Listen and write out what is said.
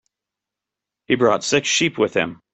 He brought six sheep with him.